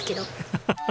ハハハ